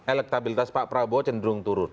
elektabilitas pak prabowo cenderung turun